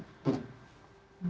bagi korporasi bisnis sebesar samsung